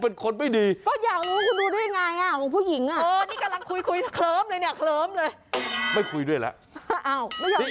เออนี่กำลังคุยเขลิมเลยเลย